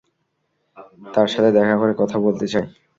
তার সাথে দেখা করে কথা বলতে চাই।